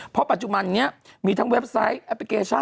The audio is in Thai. เพราะปัจจุบันนี้มีทั้งเว็บไซต์แอปพลิเคชัน